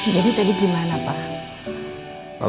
jadi tadi gimana pak